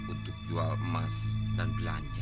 untuk jual emas dan belanja